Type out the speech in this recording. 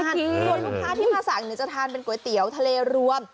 ส่วนลูกค้าที่มาสั่งจะทานเป็นก๋วยเตี๋ยวทะเลรวม